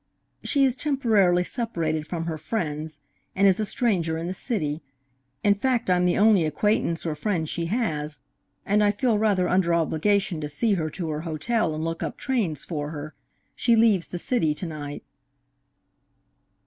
"She is temporarily separated from her friends, and is a stranger in the city. In fact, I'm the only acquaintance or friend she has, and I feel rather under obligation to see her to her hotel and look up trains for her. She leaves the city to night."